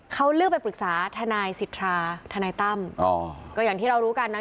เขาเลือกไปปรึกษาทนายสิทธาทนายตั้มอ๋อก็อย่างที่เรารู้กันนะ